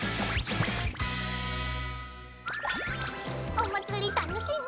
お祭り楽しみ！